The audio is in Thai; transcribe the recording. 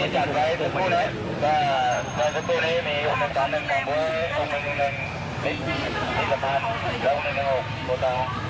หลบหนีไปกับนายสมปอง